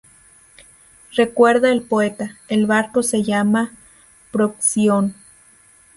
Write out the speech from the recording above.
Recuerda el poeta: "El barco se llamaba "Procyon".